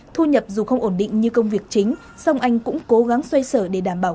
thu nhập dù không ổn định như công việc chính song anh cũng cố gắng xoay sở để đảm bảo